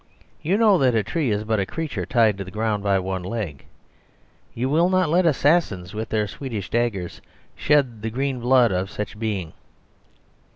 You know that a tree is but a creature tied to the ground by one leg. You will not let assassins with their Swedish daggers shed the green blood of such a being.